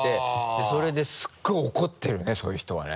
でそれですっごい怒ってるねそういう人はね。